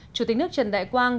chủ tịch nước trần đại quang